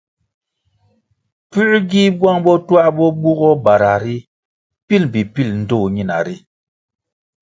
Puē gi bwang bo twā bo bugoh bara ri pil mbpi pil ndtoh ñina ri?